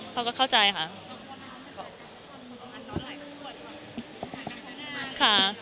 เขาก็เข้าใจค่ะ